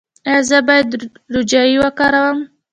ایا زه باید روجايي وکاروم؟